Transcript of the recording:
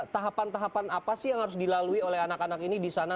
tahapan tahapan apa sih yang harus dilalui oleh anak anak ini di sana